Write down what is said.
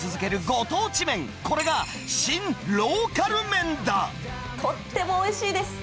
ご当地麺、とってもおいしいです。